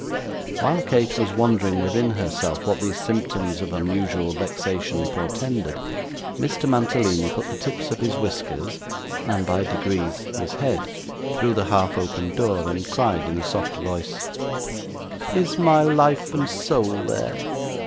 While Kate was wondering within herself what these symptoms of unusual vexation portended, Mr. Mantalini put the tips of his whiskers, and, by degrees, his head, through the half opened door, and cried in a soft voice 'Is my life and soul there?